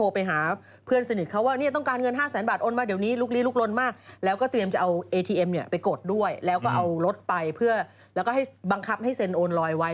ไปโกฎด้วยแล้วก็เอารถไปแล้วก็บังคับให้เสนโอนลอยไว้